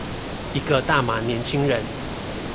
一個大馬年輕人